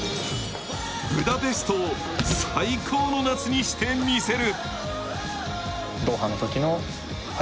ブダペストを最高の夏にしてみせる。